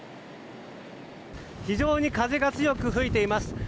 非常に風が強く吹いています。